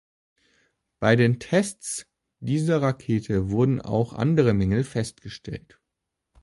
Bei den Tests dieser Rakete wurden auch andere Mängel festgestellt.